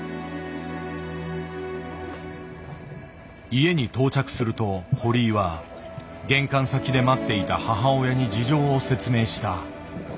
家に到着すると堀井は玄関先で待っていた母親に事情を説明した。